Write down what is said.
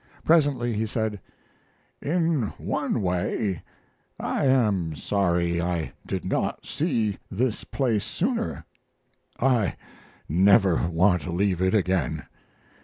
Presently he said: "In one way I am sorry I did not see this place sooner. I never want to leave it again.